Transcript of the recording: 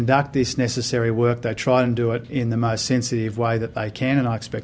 dan saya harap hal itu akan terus berjalan